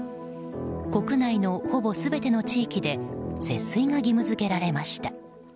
国内のほぼ全ての地域で節水が義務付けられました。